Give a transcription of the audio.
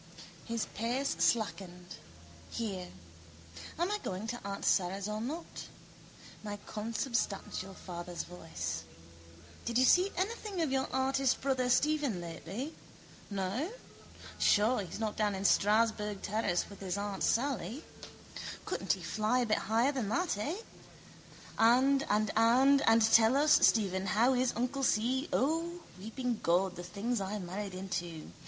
His pace slackened. Here. Am I going to aunt Sara's or not? My consubstantial father's voice. Did you see anything of your artist brother Stephen lately? No? Sure he's not down in Strasburg terrace with his aunt Sally? Couldn't he fly a bit higher than that, eh? And and and and tell us, Stephen, how is uncle Si? O, weeping God, the things I married into!